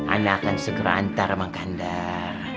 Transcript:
anak akan segera antar sama kandar